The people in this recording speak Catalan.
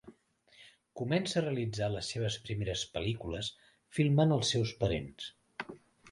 Comença a realitzar les seves primeres pel·lícules filmant els seus parents.